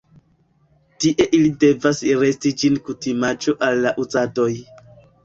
Tie ili devas resti ĝis kutimiĝo al la uzadoj.